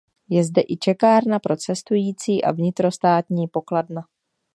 Je zde i čekárna pro cestující a vnitrostátní pokladna.